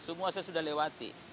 semua saya sudah lewati